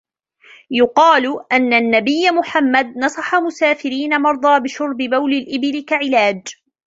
يقال أن النبي محمد نصح مسافرين مرضى بشرب بول الإبل كعلاج.